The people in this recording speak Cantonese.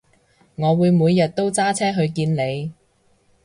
我會每日都揸車去見你